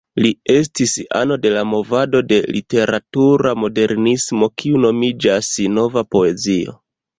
Li estis ano de la movado de literatura modernismo kiu nomiĝas "Nova Poezio".